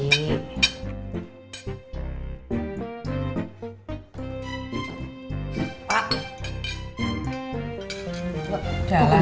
ini juga udah ngomong sama empi